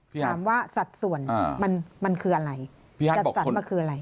ถามว่าสัตว์ส่วนมันคืออะไร